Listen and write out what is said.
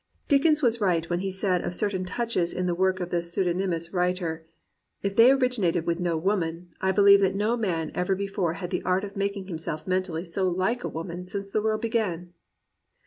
Dickens was right when he said of certain touches in the work of this pseudonymous writer: "If they originated with no woman, I beheve that no man ever before had the art of making himself mentally so like a woman since the world began.'